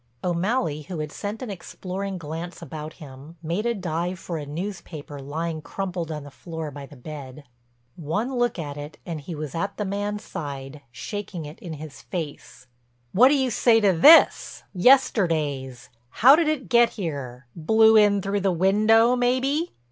O'Malley who had sent an exploring glance about him, made a dive for a newspaper lying crumpled on the floor by the bed. One look at it, and he was at the man's side, shaking it in his face: "What do you say to this? Yesterday's—how'd it get here? Blew in through the window maybe."